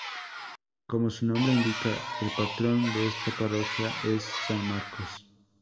Como su nombre indica, el patrón de esta parroquia es San Marcos.